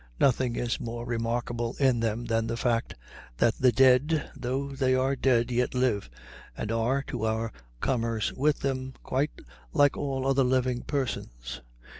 Nothing is more remarkable in them than the fact that the dead, though they are dead, yet live, and are, to our commerce with them, quite like all other living persons.